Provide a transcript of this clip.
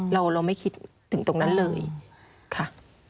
เราไม่คิดถึงตรงนั้นเลยค่ะ